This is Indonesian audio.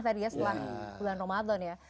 tadi ya setelah bulan ramadan ya